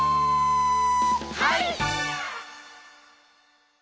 「はい！」